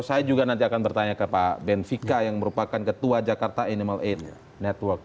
saya juga nanti akan bertanya ke pak benvika yang merupakan ketua jakarta animal aid network